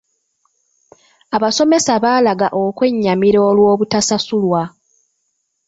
Abasomesa baalaga okwennyamira olw'obutasasulwa.